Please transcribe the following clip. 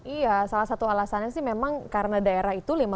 iya salah satu alasannya sih memang karena daerah itu